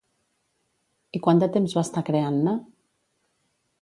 I quant de temps va estar creant-ne?